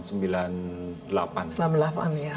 selama delapan tahun ya